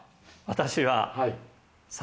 私は。